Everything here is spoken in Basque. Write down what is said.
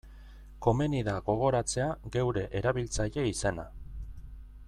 Komeni da gogoratzea geure erabiltzaile izena.